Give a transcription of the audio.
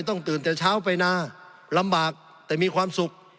ตื่นแต่เช้าไปนาลำบากแต่มีความสุข